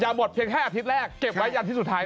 อย่าหมดเพียงแค่อาทิตย์แรกเก็บไว้อันที่สุดท้ายด้วย